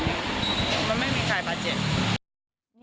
มันไม่มีใครบาดเจ็บ